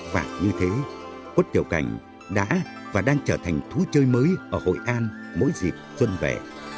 và như thế quất tiểu cành đã và đang trở thành thú chơi mới ở hội an mỗi dịp xuân về